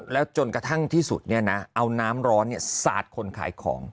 แล้วจนกระทั่งที่สุดเนี่ยนะเอาน้ำร้อนเนี่ยสาดคนขายของ